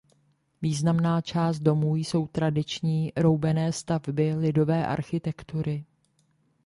Významná část domů jsou tradiční roubené stavby lidové architektury.